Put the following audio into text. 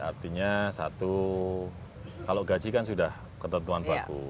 artinya satu kalau gaji kan sudah ketentuan baku